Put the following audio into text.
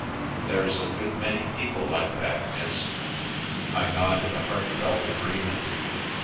There's a good many people like that, miss." I nodded a heartfelt agreement.